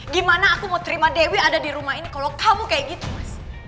gimana aku mau terima dewi ada di rumah ini kalau kamu kayak gitu mas